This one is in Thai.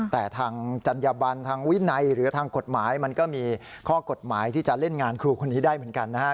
แต่ทางจัญญบันทางวินัยหรือทางกฎหมายมันก็มีข้อกฎหมายที่จะเล่นงานครูคนนี้ได้เหมือนกันนะครับ